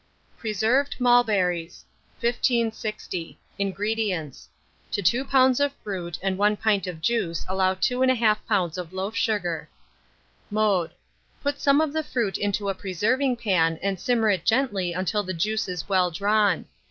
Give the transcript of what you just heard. PRESERVED MULBERRIES. 1560. INGREDIENTS. To 2 lbs. of fruit and 1 pint of juice allow 2 1/2 lbs. of loaf sugar. Mode. Put some of the fruit into a preserving pan, and simmer it gently until the juice is well drawn.